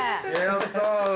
やった！